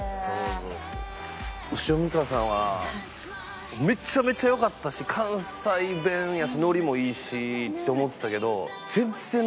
潮みかさんはめちゃめちゃよかったし関西弁やしノリもいいしって思ってたけど。